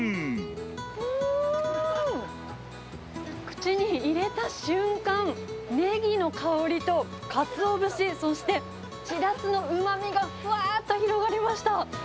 口に入れた瞬間、ねぎの香りとかつお節、そしてしらすのうまみがふわーっと広がりました。